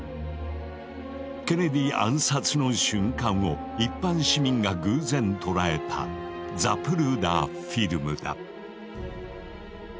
ケネディ暗殺の瞬間を一般市民が偶然捉えた「ザプルーダー・フィルム」だ。